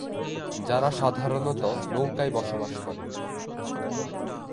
যারা সাধারনত নৌকায় বসবাস করে।